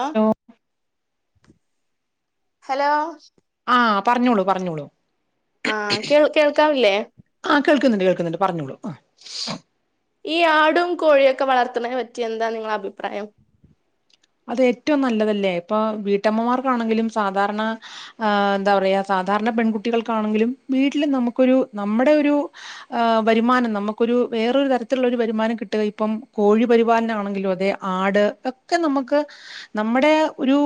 ആഹ് hello ആഹ് പറഞ്ഞോളൂ പറഞ്ഞോളൂ ആഹ് കേ കേൾക്കാവില്ലേ ആഹ് കേൾക്കുന്നുണ്ട് കേൾക്കുന്നുണ്ട് പറഞ്ഞോളൂ ഈ ആടും കോഴിയൊക്കെ വളർത്ത്ണെ പറ്റി എന്താ നിങ്ങളെ അഭിപ്രായം അത് ഏറ്റവും നല്ലതല്ലേ ഇപ്പൊ വീട്ടമ്മമാർക്കാണെങ്കിലും സാധാരണ എന്താ പറയാ സാധാരണ പെൺകുട്ടികൾക്കാണെങ്കിലും വീട്ടിൽ നമുക്കൊരു നമ്മുടെ ഒരു വരുമാനം നമുക്കൊരു വേറരു തരത്തിലുള്ള ഒരു വരുമാനം കിട്ടുക ഇപ്പ കോഴി പരിപാലന ആണെങ്കിലും അതേ ആട് ഒക്കെ നമുക്ക് നമ്മുടെ ഒരു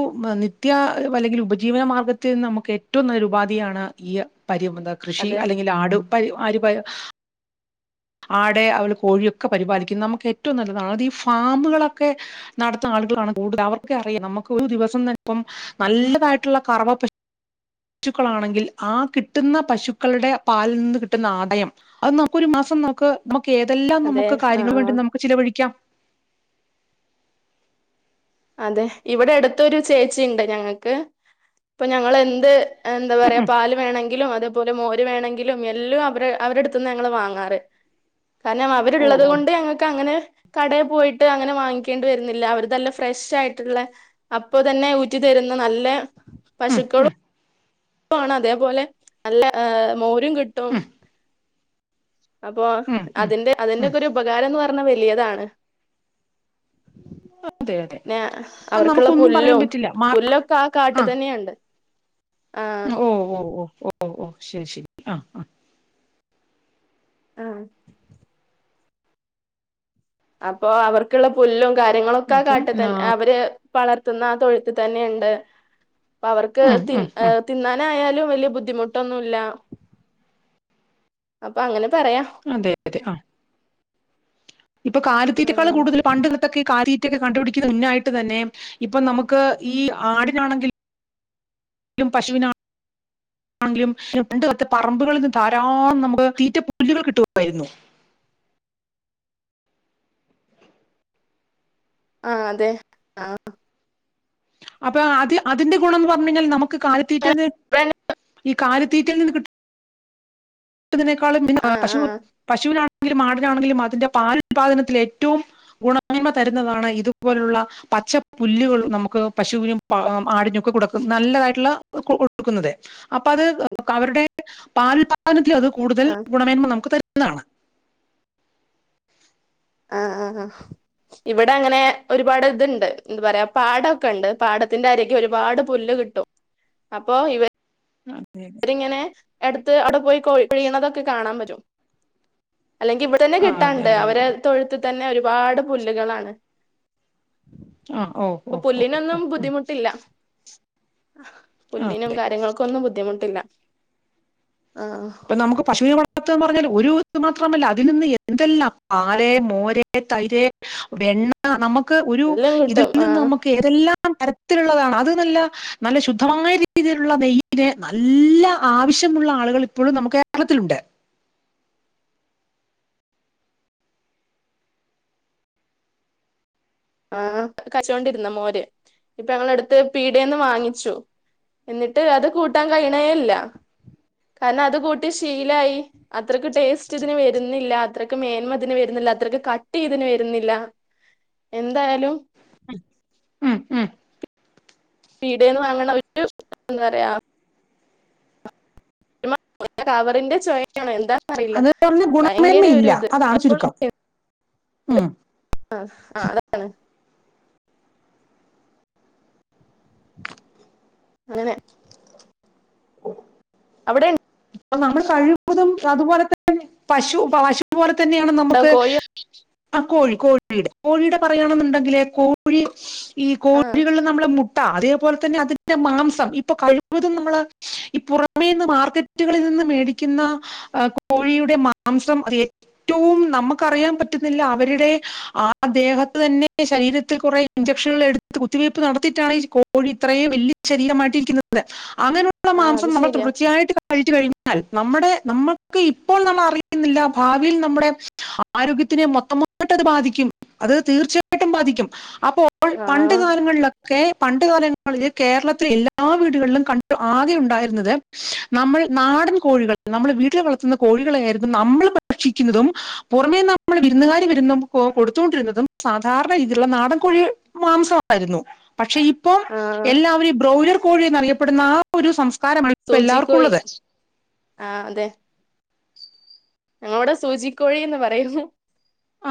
നിത്യ അല്ലെങ്കിൽ ഉപജീവന മാർഗത്തിൽ നി നമുക്ക് ഏറ്റവും നല്ല ഉപ ആാണ് ഈ പരി കൃഷി അതെ അല്ലെങ്കിൽ ആടു പ ആ [unintelligible] ആടെ അവലെ കോഴിയൊക്കെ പരിപാലിക്കുന്നത് നമുക്ക് ഏറ്റവും നല്ലതാണ് അത് ഈ ഫാമുകളൊക്കെ നടത്തുന്ന ആളുകളാണ് കൂടുത അവർക്ക അറിയാം നമുക്ക് ഒരു ദിവസം തന്നെ ഇപ്പം നല്ലതായിട്ടുള്ള കറവ പശുക്കളാണെങ്കിൽ ആ കിട്ടുന്ന പശുക്കളുടെ പാലിൽ നിന്ന് കിട്ടുന്ന ആദയം അത് നമുക്ക ഒരു മാസം നമുക്ക് ഏതെല്ലാം അതെ നമുക്ക് ആ കാര്യങ്ങൾ ആ വേണ്ടി നമുക്ക് ചിലവഴിക്കാം? അതെ ഇവിടെ അടുത്തൊരു ചേച്ചി ഉണ്ട് ഞങ്ങക്ക് ഇപ്പൊ ഞങ്ങ എന്ത് എന്താ പറയാ പാല് വേണമെങ്കിലും അത് പോലെ മോര് വേണമെങ്കിലും എല്ലാം അവര് അവടെ അടുത്തുന്ന് ഞങ്ങള് വാങ്ങാറ്. കാരണം ഓ അവരുള്ളത് ഓ കൊണ്ട് ഞങ്ങൾക്ക് അങ്ങനെ കടയിൽ പോയിട്ട് അങ്ങനെ വാങ്ങിക്കേണ്ടി വരുന്നില്ല അവർതല്ല ഫ്രഷ് ആയിട്ടുള്ള അപ്പൊ തന്നെ ഊറ്റി തരുന്ന നല്ല ഉം പശുക്കളും ണ അതേപോലെ നല്ല മോരും കിട്ടും ഉം അപ്പൊ ഉം ഉം അതിറെ അതിന്റെ ഉം ഒക്കെ ഒരു ഉപകാരംന്ന് പറഞ്ഞ വലിയതാണ് [unintelligible] അതെ അതെ പിന്ന അപ്പൊ അവർക്കുള്ള നമുക്കൊന്നും പറയാൻ പുല്ലും പറ്റില്ല മാർ പുല്ലൊക്കെ ആ കാട്ടിൽ തന്നെയുണ്ട് ആഹ് ഓ ഓ ഓ ഓ ഓ ശരി ശരി ആഹ ആ ആഹ അപ്പൊ അവർക്കുള്ള പുല്ലും കാര്യങ്ങളൊക്കെ അപ്പം കാട്ട തന്നെ അവര് വളർത്തുന്ന ആ തൊഴുത്ത് തന്നെയുണ്ട് അ അവർക്ക് ഉം തി ഉം ഉം തിന്നാനായാലും വലിയ ബുദ്ധിമുട്ടൊന്നുമല്ല അപ്പൊ അങ്ങനെ അതെ അതെ ആ ഇപ്പൊ കാലത്തീറ്റക്കാൾ ആഹ് കൂടുതൽ പണ്ടടുത്തൊക്കെ കാീ ൊക്കെ കണ്ടുപിടിക്കുന്ന മുന്നായിട്ട് തന്നെ ഇപ്പം നമുക്ക് ഈ ആടിനാണെങ്കിൽ ഇും പശുവിനാ ണില രണ്ട്ത്തെ പറമ്പുകളിൽ നിന്ന് ധാരാം നമുക്ക് തീറ്റ പുല്ലുകൾ കിട്ടായിരുന്നു ആഹ അതെ ആഹ അപ്പൊ അത് അതിന്റെ ഗുണംന്ന് പറഞ്ഞു കഴിഞ്ഞാൽ നമുക്ക് കാലിത്തീറ്റ കാലത്തീറ്റന്നെ കിട്ട തിനക്ക ആഹ് പശു ആഹ് പശുവിന ആ ആടിനാണെങ്കിലും അതിന്റെ പാല ഉല്പാദനത്തിൽ ഏറ്റവും ഗുണമ തരുന്നതാണ് ഇതുപോലുള്ള പച്ച പുുല്ലുകൾ നമുക്ക് പശുക്കനും ആടിനൊക്കെ കൊടുക്ക നല്ലതായിട്ടുള്ള കൊടുക്കുന്നത്േ അപ്പൊ അത് അവരുടെ പാൽ ാനത്തിൽ അത് കൂടുതൽ ആഹ് ഗുണമേന്മ നമുക്ക് തരുന്നതാണ് ആഹ ആഹ് ആഹ ഇവിടെ അങ്ങനെ ഒരുപാട് ഇതുണ്ട് എന്താ പറയാ പാടമൊക്കെ ഉണ്ട് പാടത്തിന്റെ ആരൊക്കെ ഒരുപാട് പുല്ലുക കിട്ടോ അപ്പോൊ ഇവ അതെ അതെ അവരിങ്ങനെ എടുത്ത് അവിടെ പോയി കഴീണതൊക്കെ കാണാൻ പറ്റും അല്ലെങ്കി ഇവിടെ തന്നെ ആ അതെ കിട്ടാണ്ട് അതെ അവരെ അതെ തൊഴുത്ത്ു തന്നെ ഒരുപാട് പുല്ലുകളാണ് ആ ഓ അപ്പൊ ഓ ഓ പുല്ലിനൊന്നും ഉം ബുദ്ധിമുട്ടില്ല ആ പുല്ലിനും കാര്യങ്ങൾക്ക ഒന്നും ബുദ്ധിമുട്ടില്ല ആഹ് ഇപ്പ നമുക്ക് പശുവി പറഞ്ഞൽ ഒരു ഇ മാത്രമല്ല അതിൽ നിന്ന് എന്തെല്ലാം പാല മോരെ തൈര് എ നമുക്ക് ഒരു എല്ലാം ഇതിൽ കിട്ടും നിന്ന് ആഹ് നമുക്ക് ഏതെല്ലാം തരത്തിലുള്ളതാണ് അത് നല്ല നല്ല ശുദ്ധമായ രീതിയിലുള്ള നെയ്യെ നല്ല ആവശ്യ മുള്ള ആളുകൾ ഇപ്പോഴും നമുക്ക് കേരളത്തിലുണ്ട് ആഹ കച്ചൊണ്ടിരുന്ന മോര് ഇപ്പ ഞങ്ങള അടുത്ത് പീഡന്ന് വാങ്ങിച്ചു എന്നിട്ട് അത് കൂട്ടാൻ കഴണേല്ല കാരണം അത് കൂട്ടി ശീലായി അത്രയ്ക്ക് ടേസ്റ്റ് ഇതിന് വരുന്നില്ല അത്രയ്ക്ക് മേന്മ ഇതിന് വരുന്നില്ല അത്രക്കെ കട്ടിയ്തിന് വരുന്നില്ല എന്തായാലും ഉം, ഉം. വീടെന്ന് വാങ്ങണ ഒരു എന്താ പറയാ കവറിന്റെ ചോയയാാണ് എന്താ അറിയില്ല അത് പറഞ്ഞ ഭയങ്കര ഒരു ഗുണമേന്മയില്ല ഇത് അതാണ് അപ്പോ ചുരുക്കം ഉം. ആ ആ അതാണ് അങ്ങനെ അവിടെ അപ്പ നമ്മൾ കഴിവതും അതുപോലെ തന്നെ പശു പശു പോലെ തന്നെയാണ് ഉണ്ടോ നമ്മുക്ക് കോഴിയോ ആ കോഴി കോഴിയുടെ കോഴിയുടെ പറയണെന്നുണ്ടെങ്കില്േ കോഴി ഈ ആ കോഴികളിൽ നമ്മള് മുട്ട അത അപോലെ തന്നെ അതിന്റെ മാംസം ഇപ്പൊ കഴിവതും നമ്മള് ഈ പുറമേന്ന് മാർക്കറ്റ് ുകളിൽ നിന്ന് മേടിക്കുന്ന കോഴിയുടെ മാംസം അ ഏറ്റവും നമുക്ക്റിയാൻ പറ്റ അവരുടെ ആദ്ദേഹത്ത് തന്നെ ശരീരത്തിൽ കുറെ ഇഞ്ചക്ഷനുക എടുത്ത് കുത്തിവയ്പ് നടത്തി കോഴി ഇത്രയും വലിയ ശരീരമായിട്ടിരിക്കുന്നത് അങ്ങനെയുള്ള ആ അത് മാംസം നമ്മൾ ശരിയാ തുടർച്ചയായിട്ട് ഴൽ നമ്മ നമ്മക്ക് ഇപ്പോൾ നമ്മൾറിയുന്നില്ല ഭാവിയിൽ നമ്മുടെ ആരോഗ്യ തിനെ മൊത്തട്ട്ത് ബാധിക്കും അത് തീർച്ചയായിട്ടും ബാധിക്കും അപ്പോൾ ആ പണ്ട് കാലങ്ങളില ക്കെ പണ്ട് കാലങ്ങളില് കേരളത്തിലെ എല്ലാ വീടുകളിലും കണ്ടു ആകെ ഉണ്ടായിരുന്നത് നമ്മൾ നാടൻ കോഴികൾ നമ്മുടെ വീട്ടില് വളർത്തുന്ന കോഴികളെ ആായിരുന്നു നമ്മൾ ഭക്ഷിക്കുന്നതും പുറമേ നമ്മള് വിരുന്നുകാരിരുന്ന കൊടുത്തുകൊണ്ടിരുന്നതും സാധാരണ രീതിയിലുള്ള നാടൻകഴി മാംസമായിരുന്നു പക്ഷെ ഇപ്പം ആ എല്ലാവരും ബ്രോലർ കോഴി എന്ന അറിയപ്പെടുന്ന ആ ഒരു സംസ്കാരമാണ് ഇപ്പ എല്ലാവർക്കും പോയി ഉള്ളത് ആഹ അതെ ഞങ്ങവിടെ സൂചിക്കോഴിന്ന് പറയുന്നു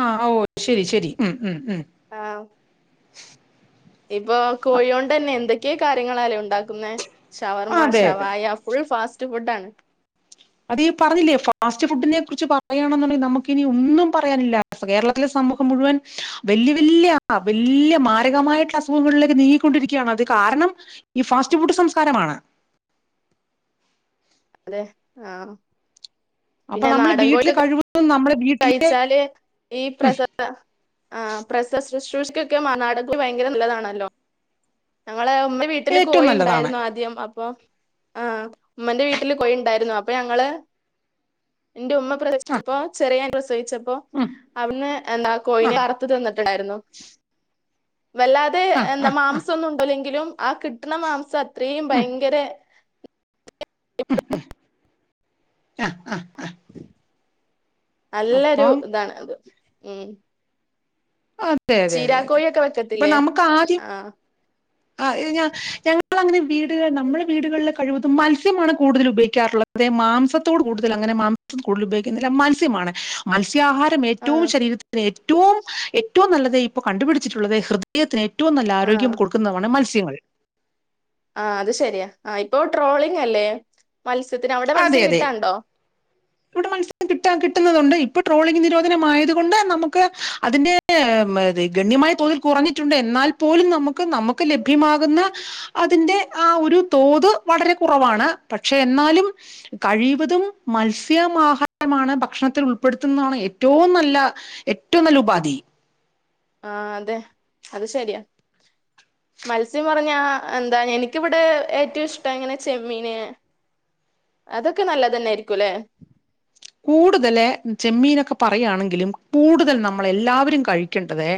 ആഹ ഓ ശരി ശരി ഉം ഉം ഉ ആ ഇപ്പൊ കോഴിയോണ്ട് തന്നെ എന്തൊക്കെയ കാര്യങ്ങളല്ലേ ഉണ്ടാക്കുന്ന ഷവർമ്മ അതെ അതെ ഷവായ ഫുൾ ഫാസ്റ്റ് ഫുഡ ആാണ് അത് പറഞ്ഞില്ലേ ഫാസ്റ്റ് ഫുഡിനെ കുറിച്ച് പറയണെന്നുണ്ടെങ്കിൽ നമുക്കിനനി ഒന്നും പറയാനില്ല കേരളത്തിലെ മുഴുവൻ വലിയ വിയ വല മാരകമായിട്ടുള്ള അസുഖങ്ങളിലൊ നീങ്ങിക്കൊണ്ടിരിക്കുകയാണ് അത് കാരണം ഈ ഫാസ്റ്റ് ഫുഡ് സംസ്കാരമാണ് അതെ ആഹ അപ്പൊ നമ്മള് വീട്ടില്ിൽ കഴിവ കഴിച്ചാല് ഈ പ്രസ ആ പ്രസസ് ൊക്കൊട ഭയങ്കര നല്ലതാണല്ലോ ഞെ നമ്മടെ വീട്ടില് ഏറ്റവും കോഴി നല്ലതാണ് ഉണ്ടായിരുന്നു ആദ്യം അപ്പൊ ആഹ ഉമ്മന്റെ വീട്ടില് കൊഴി ഉണ്ടായിരുന്നു അപ്പൊ ഞങ്ങള് എന്റെ ഉമ്മ ആ പ്രദേശപ്പോ ചെറിയ ഞാൻ പ്രക്സവിച്ചപ്പോൊ ഉം, അന്ന് എന്താ ആ കോയിനെ അറത്ത്ു തിന്നിട്ടുണ്ടായിരുന്നു വല്ലാതെ ആ എന്താ മാംസം ഒന്നും ഉണ്ടോല്ലെങ്കിലും ആ കിട്ടണ മാംസം അത്രയും ഉം, ഭയങ്കര ഉ ഉ ആഹ ആഹ് നല്ലൊരു അപ്പം ഇതാണ് അത് ഉം അതെ അതെ അതെ അതെ ചീരാക്കോഴിയൊക്കെ ഇപ്പൊ വെക്കത്തില്ലേ നമുക്ക് ആദ്യം ആഹ് ആഞാ ഞങ്ങ അങ്ങനെ വീടുക നമ്മുടെ വീടുകളിലൊക്കെ കഴിവതും മത്സ്യമാണ് കൂടുതൽ ഉപയോഗിക്കാറുള്ളത്തത് മാംസത്തോട് കൂടുതൽ അങ്ങനെ മാസം കടുതൽപയോഗിക്കുന്നില്ല മത്സ്യമാണ് ആ മത്സ്യം വിത്യാഹാരം ഏറ്റവും ആഹ് ശരീരത്തിന് ഏറ്റവും ഏറ്റവും നല്ലത് ഇപ്പൊ കണ്ടുപിടിച്ചിട്ടുള്ളത് ഹൃദയത്തിന് ഏറ്റവും നല്ല ആഹ് ആരോഗ്യം കൊടുക്കുന്നതാണ് മത്സ്യങ്ങൾ ആഹ അത് ശരിയാ ആ ഇപ്പൊ ട്രോളിങ് അല്ലേ മത്സ്യത്തിന് അവിടെ മത്സ്യം കിട്ടാണ്ടോ വിടെ മന [unintelligible] ി കിട്ടണ്ട് ഇപ്പൊ ട്രോളിംഗ നിരോധനമായത കൊൊണ്ട് നമുക്ക് അതിന്റെ ഗണ്യമായി തോൽ കുറഞ്ഞിട്ടുണ്ട് എന്നാൽ പോലും നമുക്ക് നമുക്ക് ലഭ്യമാകുന്ന അതിന്റെ ആ ഒരു തോ പൊതു വളരെ കുറവാണ് പക്ഷെ എന്നാലും കഴിവതും മത്സ്യമാഹാരമാണ് ഭക്ഷണത്തിൽ ഉൾപ്പെടുത്തുന്നതാണ് ഏറ്റവും നല്ല ഏറ്റവും നല്ല ഉപാധി ആഹ അതെ അത് ശരിയാ മത്സ്യം പറഞ്ഞാ എന്താ എനിക്കിവിടെ ഏറ്റവും ഇഷ്ടം ഇങ്ങനെ ചെമ്മീന് അതൊക്കെ നല്ലത്ന്നൊയിയിരിക്കും അല്ലെ കൂടുതല ചെമ്മീനൊക്കെ പറയുകയാണെങ്കിലും കൂടുതൽ നമ്മള എല്ലാവരും കഴിക്കേണ്ടത്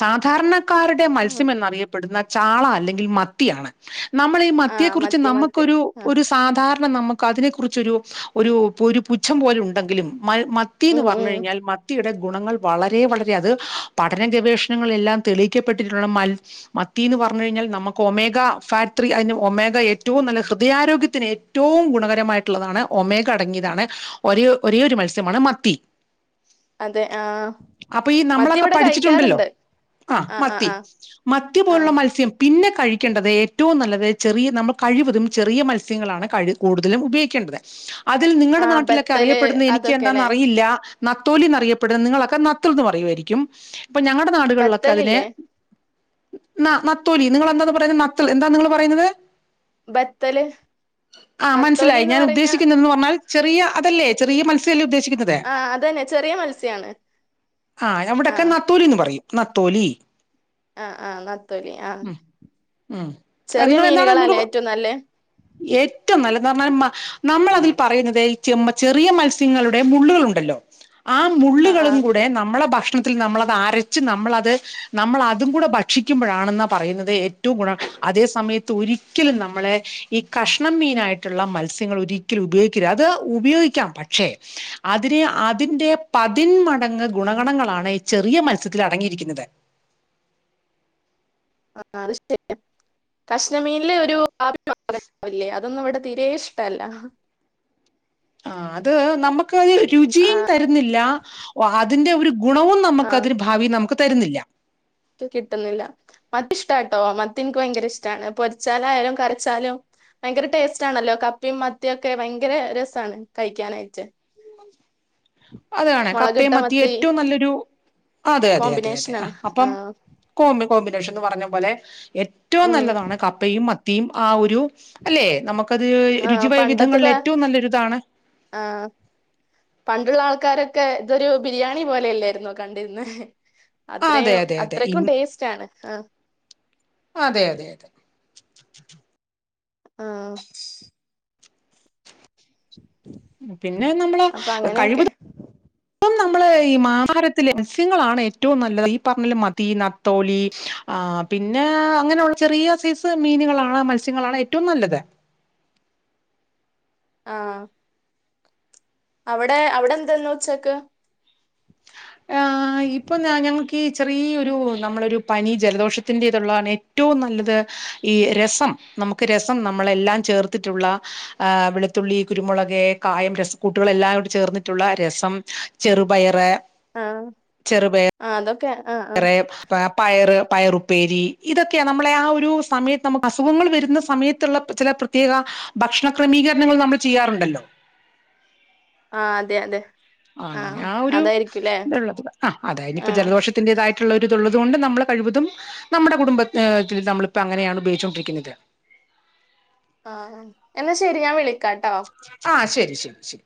സാധാരണക്കാരുടെ ആഹ് മത്സ്യം എന്നറിയപ്പെടുന്ന ചാള അല്ലെങ്കിൽ മത്തിയാണ് നമ്മള ഈ മത്തിയെ ആഹ് കുുറിച്ച് മത്തി മത്തി നമുക്കൊരു ആഹ് ഒരു സാധാരണ നമുക്ക് അതിനെ കുുറിച്ചൊരു ഒരു ഒരു പുച്ഛം പോലെ ഉണ്ടെങ്കിലും മ മത്തിന്ന് ഉം പറഞ്ഞു ഉം കഴിഞ്ഞാൽ മത്തിയുടെ ഗുണങ്ങൾ വളരെ വളരെ അത് പഠന ഗവേഷണങ്ങളൾെല്ലാം തെളിയിക്കപ്പെട്ടിട്ടുള്ള മ മന്ന് പറഞ്ഞു കഴിഞ്ഞാൽ നമുക്ക് ഒമേഗ ഫാക്ട അതിന് ഒമേഗ ഏറ്റവും നല്ല ഹൃദയാരോഗ്യത്തിന് ഏറ്റവും ഗുണകര മായിട്ടുള്ളതാണ് ഒമേഗ അടങ്ങിയതാണ് ഒര ഒരേ ഒരു മത്സ്യമാണ് മത്തി അതെ ആഹ് അപ്പൊ ഈ മത്തി നമ്മളൊക്കെ ഇവിടെ പഠിച്ചിട്ടുണ്ടല്ലോ കഴിക്കാറുണ്ട് ആ ആഹ് ആഹ് മത്തി ആഹ് മത്തി പോലുള്ള ആഹ് മത്സ്യം പിന്നെ കഴിക്കേണ്ടത് ഏറ്റവും നല്ലത് ചെറിയ നമ്മൾ കഴിവതും ചെറിയ മത്സ്യങ്ങളാണ് കഴ കൂടുതലും ഉപയോഗിക്കേണ്ടത് അതിൽ നിങ്ങളുടെ ആഹ് നാട്ടിലൊക്കെ ബത്തല് അറിയപ്പെടുന്നത് എനിക്ക് എന്താന്ന അതൊക്കെല്ലേ അറിയില്ല നത്തോലി എന്നറിയപ്പെടുന്ന നിങ്ങളൊക്കെ നത്തൽന്ന് പറയുായിരിക്കും ഇപ്പൊ ഞങ്ങളുടെ നാടുകളിലൊക്കെ അതിനെ ബത്തലില്ലേ ന നത്തോലി നിങ്ങെന്താന്ന് പറയുന്നത് നത്തൽ എന്താ നിങ്ങള്ൾ പറയുന്നത് ബത്തല് ആഹ മനസ്സിലായി നത്തോലിന്ന് ഞാൻ പറഞ്ഞ ഉദ്ദേശിക്കുന്നന്ന് പറഞ്ഞാൽ ചെറിയ അതല്ലേ ചെറിയ മത്സ്യ ഉദ്ദേിച്ചം ആഹ് അതന്നെ ചെറിയ മത്സ്യാണ് ആ അവിടെൊക്കെ ആഹ് നത്തൂരിന്ന് പറയും നത്തോലി ആ ആഹ് നത്തോലി ആഹ ഉം ചെറിയ നിങ്ങൾ എന്താണ് മീനുകളല്ലേ ഒന്നൂടെ ഏറ്റവും നല്ലേ ഏറ്റവും നല്ല എ പറഞ്ഞാൽ നമ്മള അതിൽ പറയുന്നത് ചെ ചെറിയ മത്സ്യങ്ങളുടെ മുള്ളുകൾ ഉണ്ടല്ലോ ആ ആഹ് മുള്ളുകളും ആഹ് കൂടെ നമ്മളെ ഭക്ഷണം ഭക്ഷണത്തിൽ നമ്മളത് അരച്ച് നമ്മളത് നമ്മൾ അതും കൂടെ ഭക്ഷിക്കുമ്പോഴാണെന്നാ പറയുന്നത് ഏറ്റവും ഗുണ അതേ സമയത്ത് ഒരിക്കലും നമ്മളെ ഈ കഷ്ണം മീനായിട്ടുള്ള മത്സ്യങ്ങൾ ഒരിക്കലും ഉപയോഗിക്കരു അത് ഉപയോഗിക്കാം പക്ഷെ അതിന് അതിന്റെ പതിന്മ മടങ്ങ് ഗുണഗണങ്ങളാണ് ചെറിയ മത്സ്യത്തിൽ അടങ്ങിയിരിക്കുന്നത് ആ ത കഷ്ണമീനില് ഒരു ആണ്ട അതൊന്നും ഇവിടെ തീരെ ഇഷ്ടല്ല ആ അത് നമക്ക് ഒരു രുചിയും തരുന്നില്ല അതിന്റെ ഒരു ഗുണവും ആ നമുക്ക്തിന് ഭാവി നമുക്ക് തരുന്നില്ല കിട്ടുന്നില്ല മത്തി ഇഷ്ടാട്ടോ മത്തി എനിക്ക് ഭയങ്കര ഇഷ്ടമാണ് പൊരിച്ചാലായാലും കരച്ചാലും ഭയങ്കര ടേസ്റ്റ് ആണല്ലോ കപ്പിയും മത്തി ഒക്കെ ഭയങ്കര രസമാണ് കഴിക്കാനായിട്ട് അതണ കപ്പയെ മത്തി ഏറ്റവും നല്ലൊരു അതെ അതെ അതെ അതെ ആ അപ്പം കോ കോമ്പിനേഷൻന്ന് പറഞ്ഞ പോലെ ഏറ്റവും ഉം നല്ലതാണ് കപ്പയും മത്തിയും ആ ഒരു അല്ലെ നമുക്കത് ആ രുചിിവയ വിധങ്ങളിൽ പണ്ടത്തതാ ഏറ്റവും നല്ലൊരിതാണ് ആ പണ്ടുള്ള ആൾക്കാരൊക്കെ ഇതൊരു ബിരിയാണി പോലെയല്ലായിുന്നോ കണ്ടിന്ന് ആ അതെ അത്രയും അതെ അതെ ഇ അത്രയ്ക്കും ടേസ്റ്റ് ആണ് ആ അതെ അതെ അതെ ആഹ പിന്നെ നമ്മള് അപ്പൊ കഴിവ് അങ്ങനെയൊക്കെ നമ്മള് ഈ മഹാരത്തിലെസ്യങ്ങളാണ് ഏറ്റവും നല്ലത് ഈ പറഞ്ഞല് മതി നത്തോലി പിന്നെ അങ്ങനെയുള്ള ചെറിയ സൈസ് മീനുകളാണോ മത്സ്യങ്ങളണോ ഏറ്റവും നല്ലത് ആഹ അവിടെ അവിടെ എന്താെന്ന ഉച്ചക്ക് ആ ഇപ്പൊ ഞാ ഞങ്ങ ഈ ചെറിയൊ ഒരു നമ്മളൊരു പനി ജലദോഷത്തിൻ് ഇതള്ളതാണ് ഏറ്റവും നല്ലത് ഈ രസം നമുക്ക് രസം നമ്മളെല്ലാം ചേർത്തിട്ടുള്ള് വെളുത്തുള്ളി കുരുമുളക്െ കായം രസ കുട്ടികളെല്ലാം കോ ചേർന്നിട്ടുള്ള രസം ചെറുപയറ് ആഹ ആ അതൊക്കെ ആ ആ വറെ പയറ് പയറുപ്പേരി ഇതൊക്കെയ നമ്മളെ ആ ഒരു സമയത്ത് നമുക്ക് അസുഖങ്ങൾ വരുന്ന സമയത്തുള്ള ചില പ്രത്യേക ഭക്ഷണക്രമീകരണങ്ങൾ നമ്മൾ ചെയ്യാറുണ്ടല്ലോ ആ അതെ അതെ ആ അങ്ങനെ ആ ഒരു അതായിരിക്കുംല്ലേ ഇതള്ളത് ആ അതായത് ആ ഇപ്പ ജലദോഷത്തിന്റേതായിട്ട മുള്ളരി ഇതള്ളത്ുക കൊണ്ട് നമ്മളെ കഴിവതും നമ്മുടെ കുടുംബൽ നമ്മളിപ്പോ അങ്ങനെയാണ് ഉപയോഗിച്ചുകൊണ്ടിരിക്കുന്നത് ആഹ എന്നാ ശരി ഞാൻ വിള ആഹ ശരി ശരി ശരി